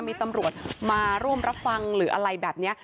มีตำรวจมาร่วมรับฟังหรืออะไรแบบนี้